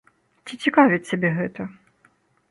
Ці цікавіць цябе гэта?